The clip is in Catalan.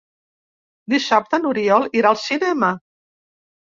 Dissabte n'Oriol irà al cinema.